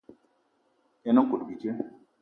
Yen nkout bíjé.